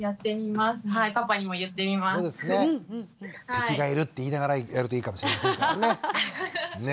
敵がいるって言いながらやるといいかもしれませんからね。